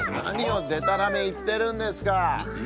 なにをでたらめいってるんですか！